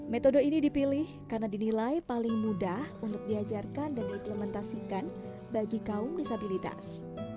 metode ini dipilih karena dinilai paling mudah untuk diajarkan dan diimplementasikan bagi kaum disabilitas